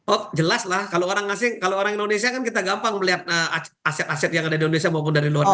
oh jelas lah kalau orang asing kalau orang indonesia kan kita gampang melihat aset aset yang ada di indonesia maupun dari luar negeri